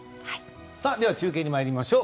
中継にまいりましょう。